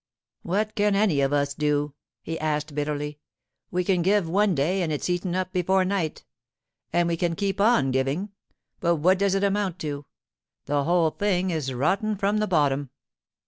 'What can any of us do?' he asked bitterly. 'We can give one day, and it's eaten up before night. And we can keep on giving, but what does it amount to? The whole thing is rotten from the bottom.